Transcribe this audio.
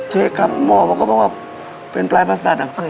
เช็คครับหมอบอกว่าเป็นปลายภาษบันดาร์